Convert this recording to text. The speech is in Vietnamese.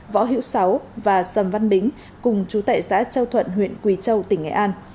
võ hiễu sáu và sầm văn bính cùng trú tại xã châu thuận huyện quỳ châu tỉnh nghệ an